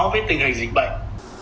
với tình hình dịch bệnh